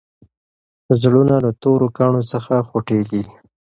زړونه له تورو کاڼو څخه خوټېږي.